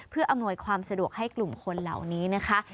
เพื่ออำนวยความสะดวกให้กลุ่มคนเหล่านี้นะคะ